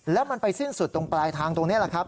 แล้วมันไปสิ้นสุดตรงปลายทางตรงนี้แหละครับ